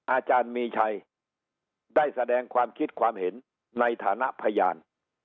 อาจารย์มีชัยได้แสดงความคิดความเห็นในฐานะพยาน